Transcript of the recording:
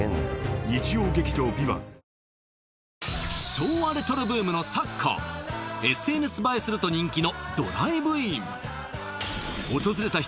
昭和レトロブームの昨今ＳＮＳ映えすると人気のドライブイン